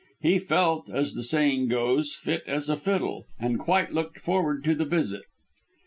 He felt, as the saying goes, as fit as a fiddle, and quite looked forward to the visit.